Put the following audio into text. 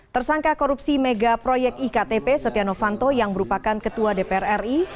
tersangka korupsi mega proyek iktp setia novanto yang merupakan ketua dpr ri